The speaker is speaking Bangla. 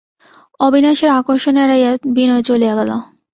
অবিনাশের আকর্ষণ এড়াইয়া বিনয় চলিয়া গেল।